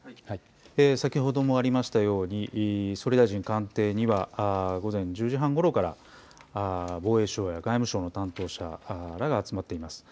先ほどもありましたように総理大臣官邸には午前１０時半ごろから防衛省や外務省の担当者らが集まっています。